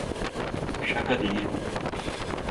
Şaka değil bu.